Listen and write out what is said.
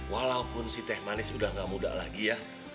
walaupun si teh manis udah nggak muda lagi ya